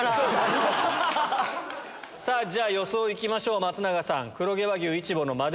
じゃ予想行きましょう松永さん。